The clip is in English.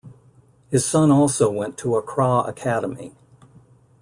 His son also went to Accra Academy.